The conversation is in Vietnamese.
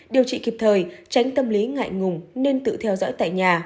điều trị kịp thời tránh tâm lý ngại ngùng nên tự theo dõi tại nhà